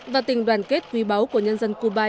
và tình đoàn kết quý báu của nhân dân cuba anh em